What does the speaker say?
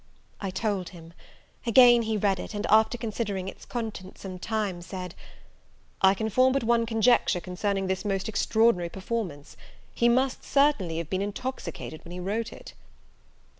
I told him. Again he read it, and, after considering its contents some time, said, "I can form but one conjecture concerning this most extraordinary performance: he must certainly have been intoxicated when he wrote it."